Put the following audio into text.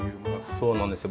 そうなんですよ